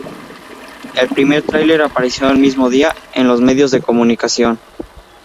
El primer tráiler apareció el mismo día en los medios de comunicación.